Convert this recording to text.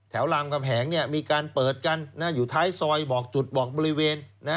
รามกำแหงมีการเปิดกันอยู่ท้ายซอยบอกจุดบอกบริเวณ